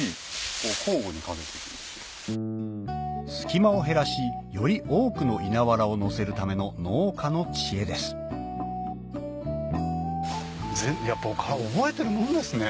隙間を減らしより多くの稲わらを載せるための農家の知恵ですやっぱ覚えてるもんですね